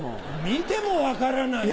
見ても分からない。